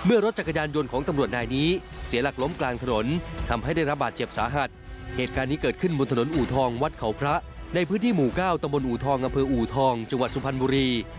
อุทองจังหวัดสุพรรณบุรี